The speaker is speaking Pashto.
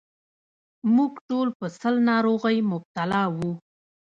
موږ ټول په سِل ناروغۍ مبتلا وو.